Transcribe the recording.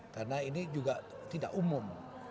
karena ini juga tidak umum